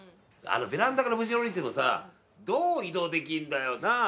ベランダから無事おりてもさどう移動できんだよなぁ！